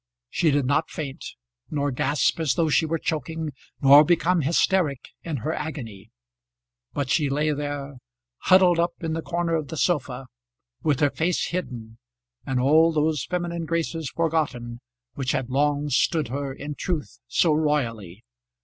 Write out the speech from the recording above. She did not faint, nor gasp as though she were choking, nor become hysteric in her agony; but she lay there, huddled up in the corner of the sofa, with her face hidden, and all those feminine graces forgotten which had long stood her in truth so royally.